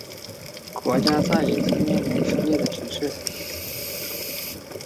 国家再一次面临分裂的局势。